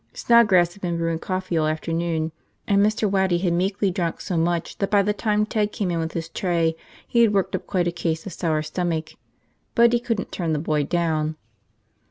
Snodgrass had been brewing coffee all afternoon and Mr. Waddy had meekly drunk so much that by the time Ted came in with his tray he had worked up quite a case of sour stomach. But he couldn't turn the boy down.